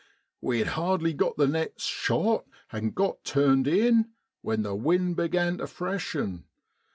We'd hardly got the nets * shot,' and got turned in, when the wind began to freshen.